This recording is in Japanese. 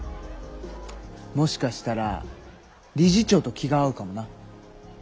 もしかしたら理事長と気が合うかもな。